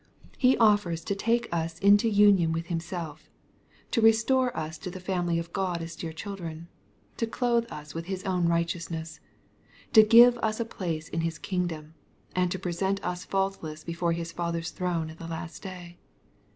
) He offers to take us into union with Himself— to restore us to the family of God as dear children — to clothe us with His own righteousness — to give us a place in His kingdom, and to present us faultless before His Father's throne at the last day.